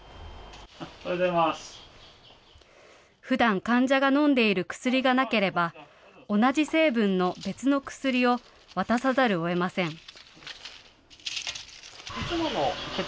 ふだん患者が飲んでいる薬がなければ、同じ成分の別の薬を渡さざるをえません。